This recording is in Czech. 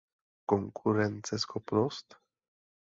Konkurenceschopnost?